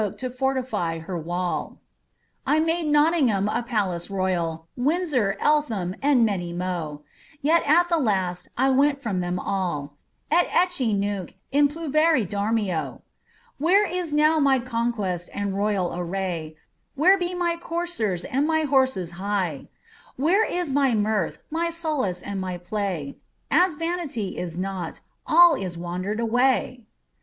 SLIEABBTH WOODV ILLJit S99 I made Nottmgham a palace rojral, Wiadtor, Eltham, and many other mo; Yet at the last I went from them all, £t ecet nunc in puhert donmol Whore is now my conquest and royal array 1 Where be my coursers and my horses high? Where is my mirth, my solace, and my play? As vanity is nought, all is wandered away!"